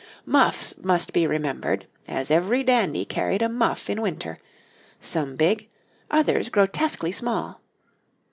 Muffs must be remembered, as every dandy carried a muff in winter, some big, others grotesquely small.